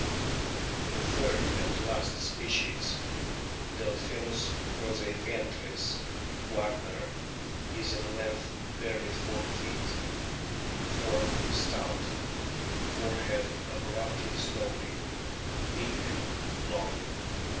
The third and last species, Delphinns roseiventris, Wagner,^ is in length barely four feet. Form stout. Forehead abruptly sloping. Beak long.